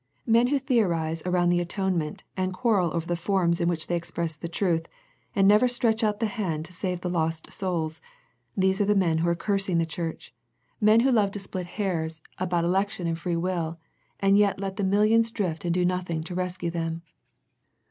Men who theorize around the atonement, and quarrel over the forms in which they express the truth, and never stretch out the hand to save the lost souls, these are the men who are cursing the Church, men who love to split hairs about elec The Laodicea Letter 215 tion and free will, and yet let the millions drift and do nothing to rescue them.